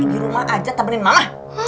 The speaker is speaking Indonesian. di rumah aja temenin malah